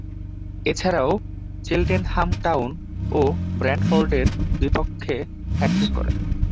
এছাড়াও, Cheltenham Town ও ব্রেন্টফোর্ডের বিপক্ষে হ্যাট্রিক করেন।